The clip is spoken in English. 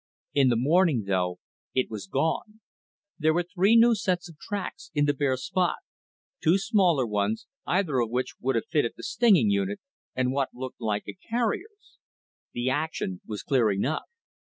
In the morning, though, it was gone. There were three new sets of tracks in the bare spot two smaller ones, either of which would have fitted the stinging unit, and what looked like a carrier's. The action was clear enough.